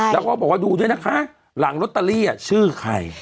แล้วก็บอกว่าดูด้วยนะคะหลังลอตเตอรี่ชื่อใคร